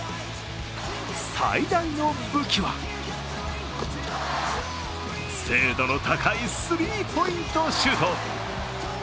最大の武器は、精度の高いスリーポイントシュート。